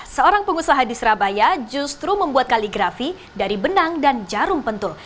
seorang pengusaha di surabaya justru membuat kaligrafi dari benang dan jarum pentul